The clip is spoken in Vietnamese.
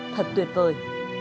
thật tuyệt vời